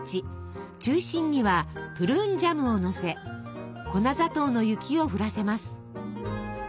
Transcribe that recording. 中心にはプルーンジャムをのせ粉砂糖の雪を降らせます。